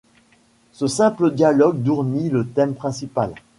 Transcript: Ce simple dialogue dournit le thème principal.